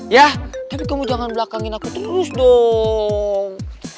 ya tapi kamu jangan belakangin aku terus dong